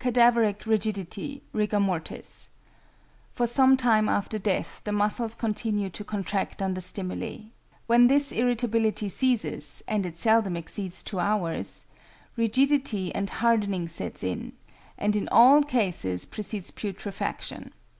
=Cadaveric Rigidity Rigor Mortis.= For some time after death the muscles continue to contract under stimuli. When this irritability ceases and it seldom exceeds two hours rigidity and hardening sets in, and in all cases precedes putrefaction.